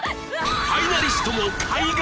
ファイナリストも開眼！？